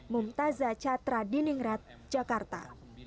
mumtazah catra diningrat jakarta